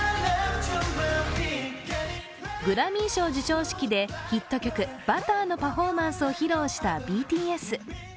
グラミー賞授賞式でヒット曲「Ｂｕｔｔｅｒ」のパフォーマンスを披露したＢＴＳ。